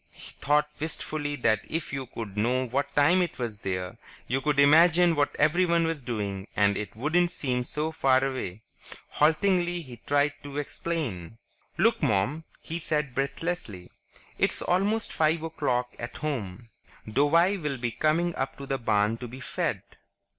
He thought wistfully that if you could know what time it was there, you could imagine what everyone was doing and it wouldn't seem so far away. Haltingly, he tried to explain. "Look, Mom," he said breathlessly. "It's almost five o'clock at home. Douwie will be coming up to the barn to be fed.